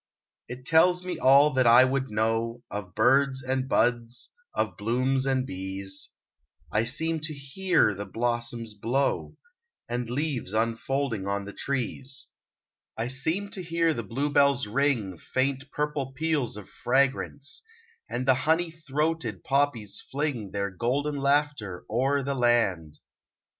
It tells me all that I would know, Of birds and buds, of blooms and bees; I seem to hear the blossoms blow, And leaves unfolding on the trees. I seem to hear the blue bells ring Faint purple peals of fragrance; and The honey throated poppies fling Their golden laughter o'er the land.